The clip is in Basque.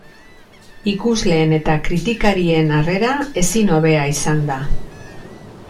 Ikusleen eta kritikarien harrera ezin hobea izan da.